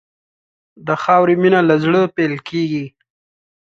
د خاورې مینه له زړه پیل کېږي.